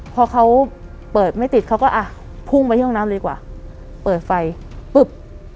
พอเขาเปิดไม่ติดเขาก็อ่ะพุ่งไปที่ห้องน้ำดีกว่าเปิดไฟปุ๊บ